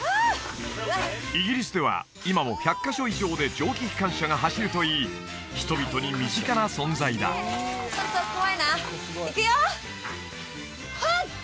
イギリスでは今も１００カ所以上で蒸気機関車が走るといい人々に身近な存在だちょっと怖いないくよほおっ！